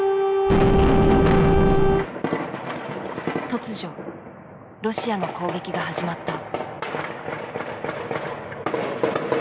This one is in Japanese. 突如ロシアの攻撃が始まった。